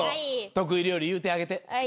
得意料理言うてあげて。